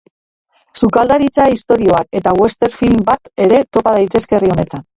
Sukaldaritza istorioak eta western film bat ere topa daitezke herri honetan.